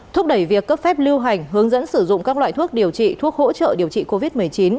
thúc đẩy việc cấp phép lưu hành hướng dẫn sử dụng các loại thuốc điều trị thuốc hỗ trợ điều trị covid một mươi chín